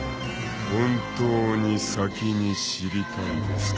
［本当に先に知りたいですか？］